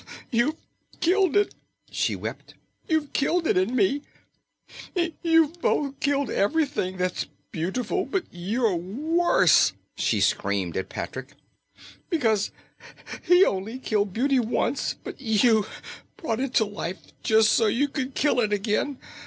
"You've killed it," she wept. "You've killed it in me. You've both killed everything that's beautiful. But you're worse," she screamed at Patrick, "because he only killed beauty once, but you brought it to life just so you could kill it again.